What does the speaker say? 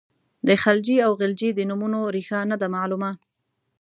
د خلجي او غلجي د نومونو ریښه نه ده معلومه.